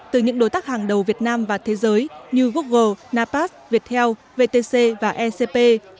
từ những đối tác hàng đầu việt nam và thế giới như google napas viettel vtc và ecp